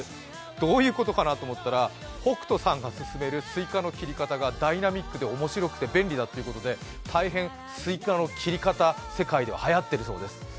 どういうことかなと思ったら北斗さんが勧めるスイカの切り方がダイナミックで面白くて便利だということで、大変スイカの切り方世界でははやっているそうです。